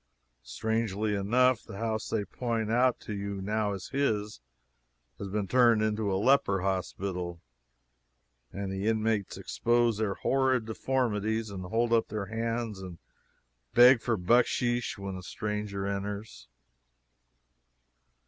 Strangely enough, the house they point out to you now as his, has been turned into a leper hospital, and the inmates expose their horrid deformities and hold up their hands and beg for bucksheesh when a stranger enters.